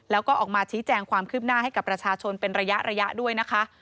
แล้วก็ออกมาชี้แจงความคืบหน้าให้กับประชาชนเป็นระยะด้วยนะคะ